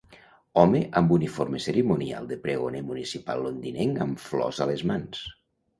Home amb uniforme cerimonial de pregoner municipal londinenc amb flors a les mans